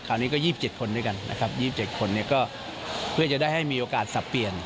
คราวนี้ก็๒๗คนด้วยกันนะครับ๒๗คนก็เพื่อจะได้ให้มีโอกาสสับเปลี่ยน